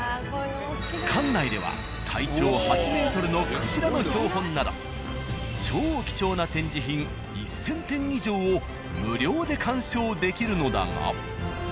［館内では体長８ｍのクジラの標本など超貴重な展示品１，０００点以上を無料で鑑賞できるのだが］